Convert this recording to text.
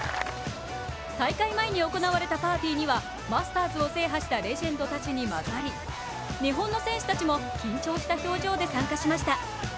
大会前に行われたパーティーにはマスターズを制覇したレジェンドたちに混ざり日本の選手たちも緊張した表情で参加しました。